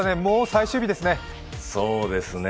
蒙最終日ですね。